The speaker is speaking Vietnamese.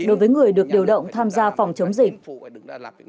đối với người được điều động tham gia phòng chống dịch